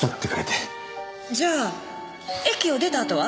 じゃあ駅を出たあとは？